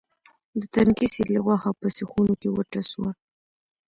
د تنکي سېرلي غوښه په سیخونو کې وټسوه.